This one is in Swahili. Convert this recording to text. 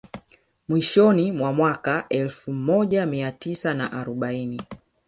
Mwishoni mwa mwaka wa elfu moja mia tisa na arobaini